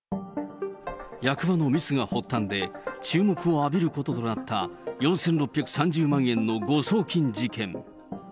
役場のミスが発端で、注目を浴びることとなった、４６３０万円の誤送金事件。